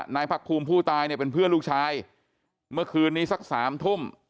พักภูมิผู้ตายเนี่ยเป็นเพื่อนลูกชายเมื่อคืนนี้สักสามทุ่ม